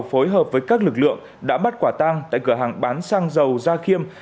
phối hợp với các lực lượng đã bắt quả tang tại cửa hàng bán xăng dầu gia khiêm